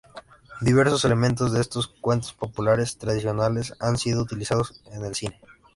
Diversos elementos de estos cuentos populares tradicionales han sido utilizados en el cine.